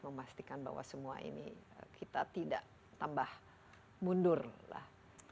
memastikan bahwa semua ini kita tidak tambah mundur lah